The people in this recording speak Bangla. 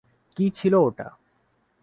কি ছিল ওটা?